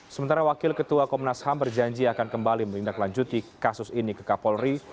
sementara wakil ketua komnas ham berjanji akan kembali menindaklanjuti kasus ini ke kapolri